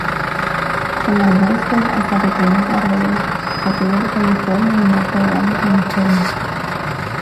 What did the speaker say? Son arbustos hasta pequeños árboles, nativos de California y norte de Baja California.